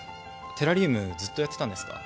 テラリウムずっとやってたんですか？